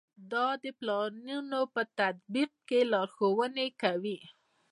دا د پلانونو په تطبیق کې لارښوونې کوي.